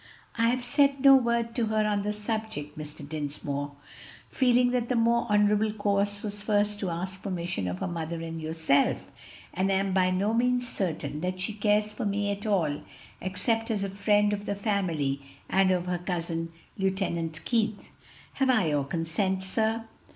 "I have said no word to her on the subject, Mr. Dinsmore feeling that the more honorable course was first to ask permission of her mother and yourself and am by no means certain that she cares for me at all except as a friend of the family and of her cousin, Lieut. Keith. Have I your consent, sir?"